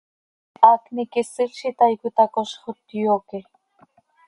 Haacni quisil z itaai, cöitacozxot, yoque.